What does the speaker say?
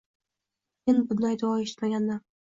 Men bunday duo eshitmagandim.